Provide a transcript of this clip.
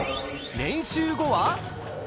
練習後は。